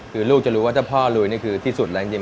คือลูกจะรู้ว่าถ้าพ่อลุยนี่คือที่สุดแล้วจริง